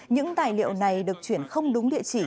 những tài liệu này được chuyển không đúng địa chỉ